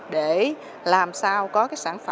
để làm cho thành phố hồ chí minh được tăng trưởng